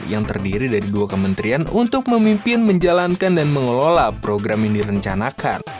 yang terdiri dari dua kementerian untuk memimpin menjalankan dan mengelola program yang direncanakan